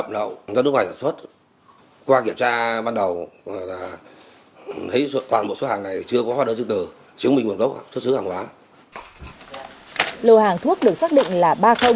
lô hàng thuốc được xác định là ba